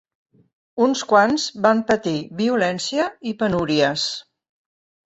Uns quants van patir violència i penúries.